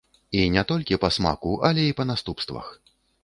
І не толькі па смаку, але і па наступствах.